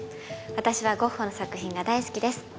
私はゴッホの作品が大好きです